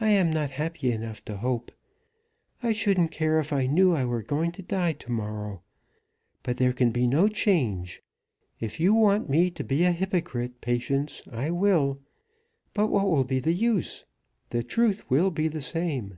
I am not happy enough to hope. I shouldn't care if I knew I were going to die to morrow. But there can be no change. If you want me to be a hypocrite, Patience, I will; but what will be the use? The truth will be the same."